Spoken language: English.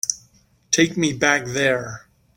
Take me back there.